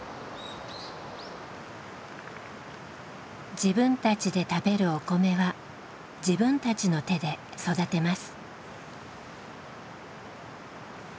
自分たちで食べるお米は自分たちの手で育てます。